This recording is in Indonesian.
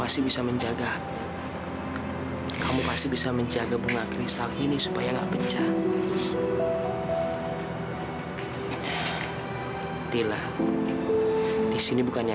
sampai jumpa di video selanjutnya